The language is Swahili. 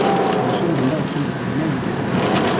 Ni heshima ambayo kila mpiganaji anaitamani